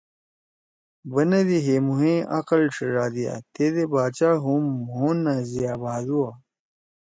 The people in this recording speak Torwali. بنَدی ہے مھوئے عقل ڇِھڙادیا۔ تیدے باچا ہُم مھو نہ زیا بھادُوا!